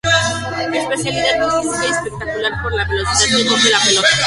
Especialidad muy física y espectacular, por la velocidad que coge la pelota.